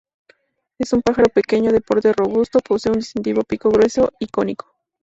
Es un pájaro pequeño de porte robusto, posee un distintivo pico grueso y cónico.